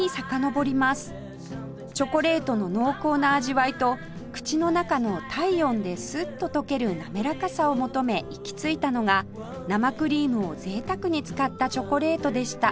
チョコレートの濃厚な味わいと口の中の体温でスッと溶ける滑らかさを求め行き着いたのが生クリームを贅沢に使ったチョコレートでした